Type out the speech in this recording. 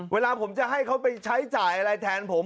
เวลาผมจะให้เขาไปใช้จ่ายอะไรแทนผม